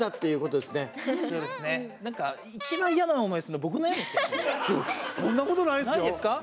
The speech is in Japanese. そんなことないですよ。